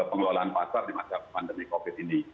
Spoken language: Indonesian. pengelolaan pasar di masa pandemi covid ini